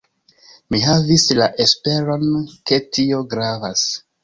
Mi havis la esperon, ke tio gravas.